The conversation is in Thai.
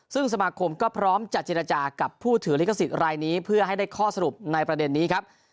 ซึ่งสมาคมก็พร้อมจะเจรจากับผู้ถือลิขสิทธิ์รายนี้เพื่อให้ได้ข้อสรุปในประเด็นนี้ครับ